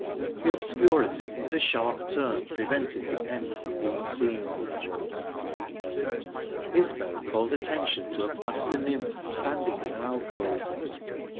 The obscurity, and a sharp turn, prevented the end from being seen. Isbel called attention to a plaster nymph, standing in an alcove.